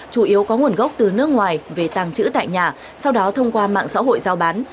chủ yếu có nguồn gốc từ nước ngoài về tàng trữ tại nhà sau đó thông qua mạng xã hội giao bán